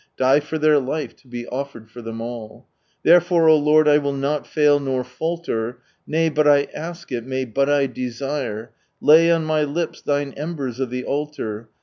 Dit for their life, be offered for Ihem idl ...! Tkere/on, O Lord, J will not fail tier falltr. Nay but I ask it, nay bul I desire. Lay Btt my lips Thine embers of the altar.